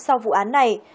sau vụ án này